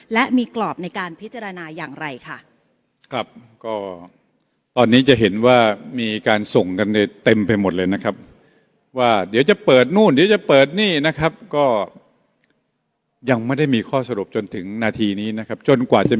และมีกรอบในการพิจารณาอย่างไรค่ะ